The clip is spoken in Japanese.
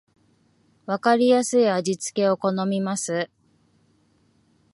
わかりやすい味付けを好みます